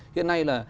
hiện nay là